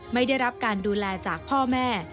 ไม่ได้รับการดูแลจากพ่อแม่